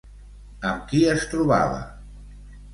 Amb qui es trobava?